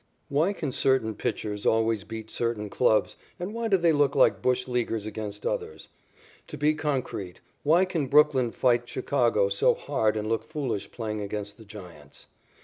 Why can certain pitchers always beat certain clubs and why do they look like bush leaguers against others? To be concrete, why can Brooklyn fight Chicago so hard and look foolish playing against the Giants?